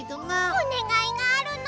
おねがいがあるの。